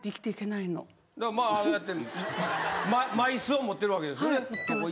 まあああやってＭｙ酢を持ってるわけですね。